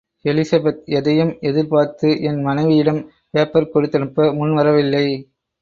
Elizabeth, எதையும் எதிர்பார்த்து, என் மனைவியிடம் பேப்பர் கொடுத்தனுப்ப முன் வரவில்லை.